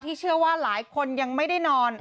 เชื่อว่าหลายคนยังไม่ได้นอน